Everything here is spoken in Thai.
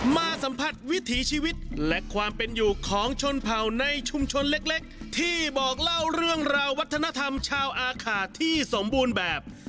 มาสัมผัสวิถีชีวิตและความเป็นอยู่ของชนเผ่าในชุมชนเล็กที่บอกเล่าเรื่องราววัฒนธรรมชาวอาขาที่สมบูรณ์แบบ